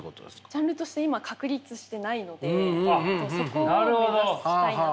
ジャンルとして今確立してないのでそこを目指したいなと思って。